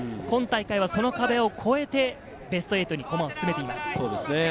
今大会はその壁を越えてベスト８に駒を進めています。